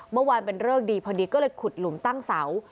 เมื่อวานเป็นเริกดีพอดีก็เลยขุดหลุมตั้งเสา